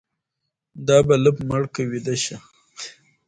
دا بلپ مړ که ويده شه.